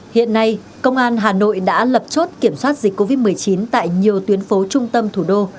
hiện nay công an hà nội đã lập chốt kiểm soát dịch covid một mươi chín tại nhiều tuyến phố trung tâm thủ đô